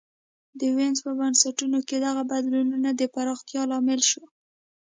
د وینز په بنسټونو کې دغه بدلون د پراختیا لامل شو